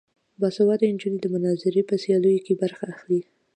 باسواده نجونې د مناظرې په سیالیو کې برخه اخلي.